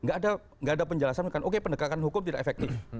tidak ada penjelasan oke penegakan hukum tidak efektif